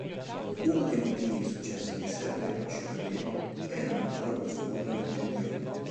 Uno dei motivi di successo di Serre Chevalier è la natura boscosa del pendio.